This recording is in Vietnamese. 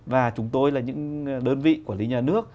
và chúng tôi là những đơn vị quản lý nhà nước